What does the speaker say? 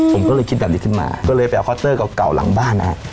ผมก็เลยคิดแบบนี้ขึ้นมาก็เลยไปเอาคัตเตอร์เก่าหลังบ้านนะฮะ